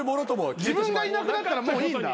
自分がいなくなったらもういいんだ。